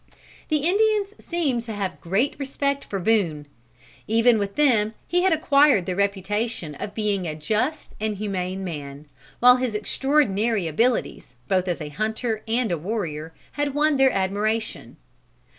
The Indians seem to have had great respect for Boone. Even with them he had acquired the reputation of being a just and humane man, while his extraordinary abilities, both as a hunter and a warrior, had won their admiration.